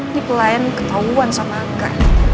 ini pelayan ketauan sama angga